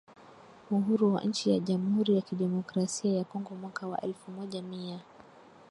uhuru wa nchi ya Jamhuri ya Kidemokrasia ya KongoMwaka wa elfu moja mia